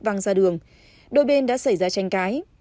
vâng ra đường đôi bên đã xảy ra tranh cái